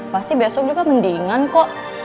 pasti besok juga mendingan kok